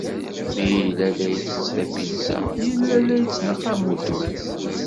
Mi yella la ittett tapizza, yella la yettnaqam weltma-s.